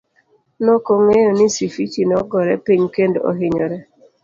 Nokongeyo ni Sifichi nogore piny kendo ohinyore.